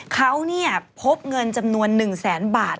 เขาพบเงินจำนวน๑แสนบาท